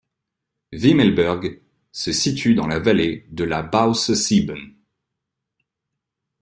Wimmelburg se situe dans la vallée de la Böse Sieben.